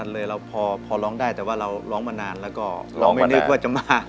จะร้องมานานไม่นึนเลยจะมา